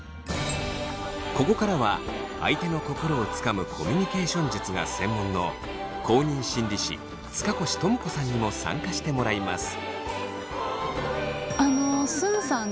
ここからは相手の心をつかむコミュニケーション術が専門の公認心理師塚越友子さんにも参加してもらいます。